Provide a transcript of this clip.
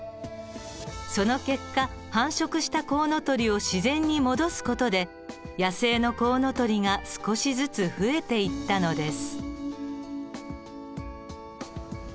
その結果繁殖したコウノトリを自然に戻す事で野生のコウノトリが少しずつ増えていったのです。